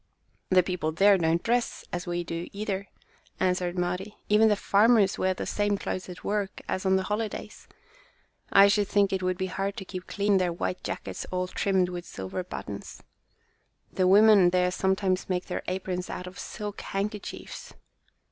"The people there don't dress as we do, either," answered Mari. "Even the farmers wear the same clothes at work as on the holidays. I should think it would be hard to keep clean their white jackets all trimmed with silver buttons. The women there sometimes make their aprons out of silk handkerchiefs.